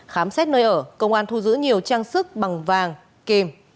khám xét nơi ở công an thu giữ nhiều trang sức bằng vàng kìm